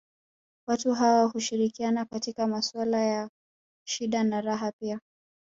Watu hawa hushirikiana katika maswala ya shida na raha pia